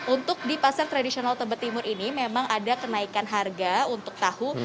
untuk di pasar tradisional tebet timur ini memang ada kenaikan harga untuk tahu